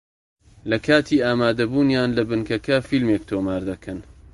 لە کاتی ئامادەبوونیان لە بنکەکە فیلمێک تۆمار دەکەن